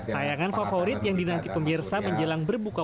tayangan favorit yang dinanti pemirsa menjelang berbuka